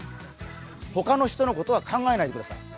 ほかの人のことは考えないでください。